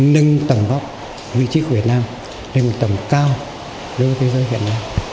nâng tầng góc vị trí của việt nam lên một tầng cao đối với thế giới việt nam